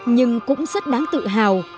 nhưng cũng rất đáng tự hào